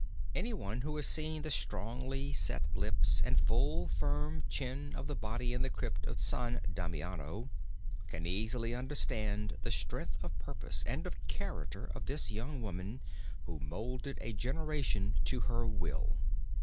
Anyone who has seen the strongly set lips and full firm chin of the body in the crypt of San Damiano, can easily understand the strength of purpose and of character of this young woman who moulded a generation to her will.